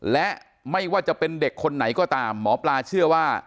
และไม่ว่าจะเป็นเด็กคนไหนก็ตามหมอปลาเชื่อว่า